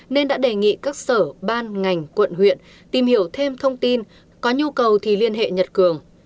nên đã đề nghị các sở ban ngành quận huyện tìm hiểu thêm thông tin có nhu cầu thì liên hệ nhật cường